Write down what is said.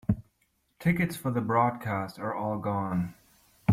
Tickets for the broadcast are all gone.